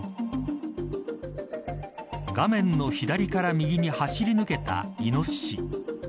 画面の被害左から右に走り抜けたイノシシ。